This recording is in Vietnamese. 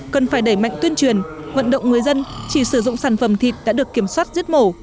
cần phải đẩy mạnh tuyên truyền vận động người dân chỉ sử dụng sản phẩm thịt đã được kiểm soát giết mổ